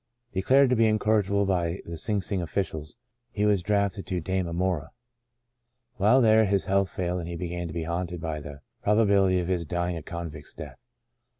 Declared to be incorrigible by the Sing Sing officials, he was drafted to Damemora. While there his health failed and he began to be haunted by the probabil ity of his dying a convict's death.